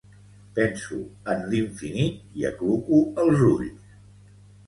Penso en l'infinit i acluco els ulls.